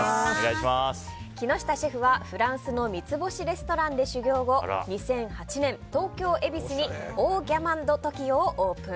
木下シェフはフランスの三つ星レストランで修業後２００８年、東京・恵比寿にオー・ギャマン・ド・トキオをオープン。